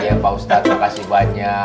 iya pak ustaz makasih banyak